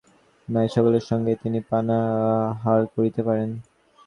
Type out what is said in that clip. সন্ন্যাসী বলিয়া তাঁহার কোন জাতি নাই, সকলের সঙ্গেই তিনি পানাহার করিতে পারেন।